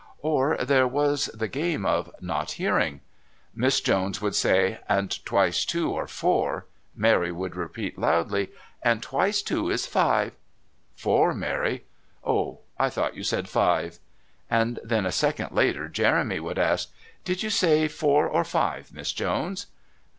Or there was the game of Not Hearing. Miss Jones would say: "And twice two are four." Mary would repeat loudly: "And twice two is five " "Four, Mary." "Oh, I thought you said five." And then a second later Jeremy would ask: "Did you say four or five, Miss Jones?"